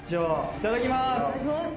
いただきます。